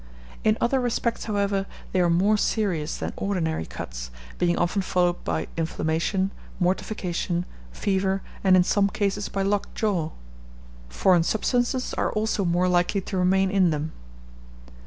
In other respects, however, they are more serious than ordinary cuts, being often followed by inflammation, mortification, fever, and in some cases by locked jaw. Foreign substances are also more likely to remain in them.